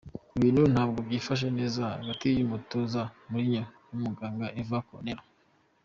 Ibintu ntabwo byifashe neza hagati y'umutoza Mourinho n'umuganga Eva Carneiro.